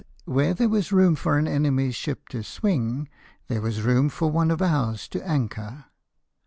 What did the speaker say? where there was room for an enemy's ship to swmg, there was room for one of ours to anchor.